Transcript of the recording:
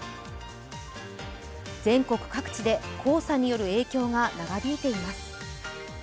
全国各地で黄砂による影響が長引いています。